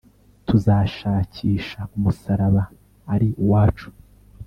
tuzashakisha umusaraba ari uwacu.